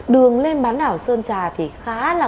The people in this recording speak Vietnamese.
đường lên bán đảo sơn trà thì khá là